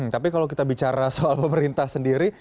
tapi kalau kita bicara soal pemerintah sendiri